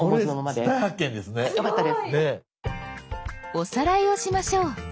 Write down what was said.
おさらいをしましょう。